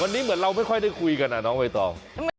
วันนี้เหมือนเราไม่ค่อยได้คุยกันอ่ะน้องใบตอง